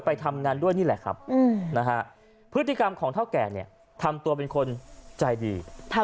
ไปทำงานด้วยนี่แหละครับนะฮะพฤติกรรมของเท่าแก่เนี่ยทำตัวเป็นคนใจดี